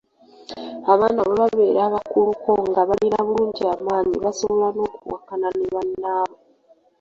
Abaana bwe babeera abakuluko nga balina bulungi amaanyi basobola n’okuwakana ne bannaabwe.